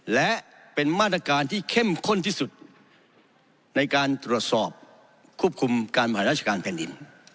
และเป็นมาตรการที่เข้มข้นที่สุดในการตรวจสอบควบคุมการบริหารราชการแผ่นดิน